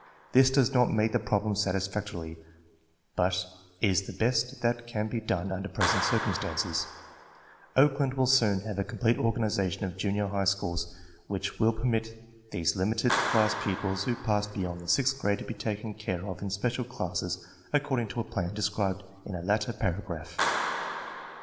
This does not meet the problem satisfactorily, but is the best that can be done under present circumstances^ Oakland will soon have a complete organization of junior high schools which will permit these limited class pupils who pass beyond the sixth grade to be taken care of in special classes according to a plan described in a later para graph.